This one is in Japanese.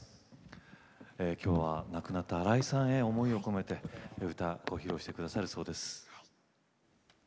きょうは亡くなった新井さんへ思いを込めて歌ご披露してくださるそうです。